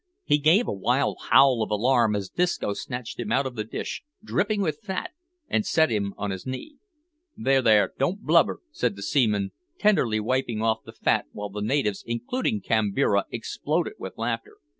He gave a wild howl of alarm as Disco snatched him out of the dish, dripping with fat, and set him on his knee. "There, there, don't blubber," said the seaman, tenderly wiping off the fat while the natives, including Kambira, exploded with laughter.